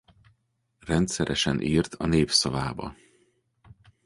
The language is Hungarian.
Rendszeresen írt a Népszavába.